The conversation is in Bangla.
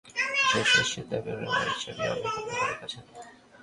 মিসেস এশের দাবি উনার বাড়ির চাবি অন্য কারো কাছে নেই।